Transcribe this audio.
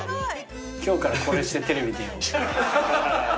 今日からこれしてテレビ出よう。